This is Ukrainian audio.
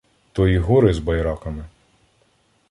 То і гори з байраками